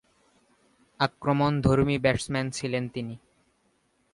আক্রমণধর্মী batsman ছিলেন তিনি।